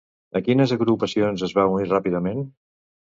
A quines agrupacions es va unir ràpidament?